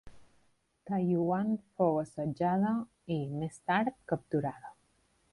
Taiyuan fou assetjada i, més tard, capturada.